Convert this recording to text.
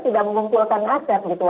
tidak mengumpulkan aset gitu